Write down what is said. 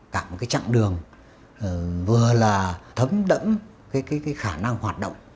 cả một chặng đường vừa là thấm đẫm khả năng hoạt động